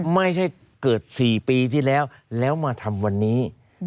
ไม่ใช่เกิด๔ปีที่แล้วแล้วมาทำวันนี้